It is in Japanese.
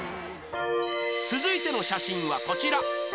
続いての写真はこちら